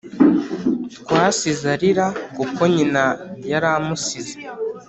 Twasize arira kuko nyina yaramusize